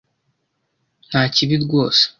Nta kibi rwose.